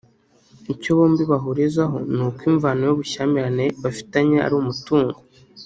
icyo bombi bahurizaho ni uko imvano y’ubushyamirane bafitanye ari umutungo